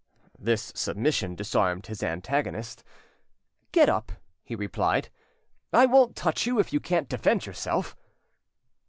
This submission disarmed his antagonist. "Get up," he replied; "I won't touch you, if you can't defend yourself.